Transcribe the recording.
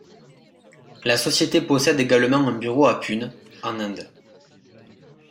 La société possède également un bureau à Pune, en Inde.